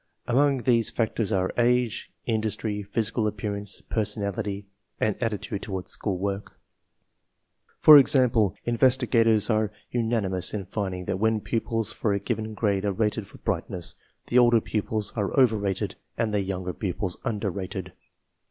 Among these factors are age, industry, physical appearance, personality, and atti tude toward school work. For example, investigators are unanimous in finding that when pupils for a given grade are rated for^ brightness, the older pupils are over rated and the younger pupils under rated.